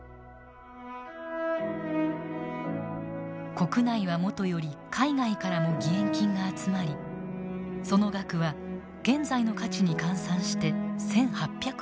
国内はもとより海外からも義援金が集まりその額は現在の価値に換算して１，８００億円にも上りました。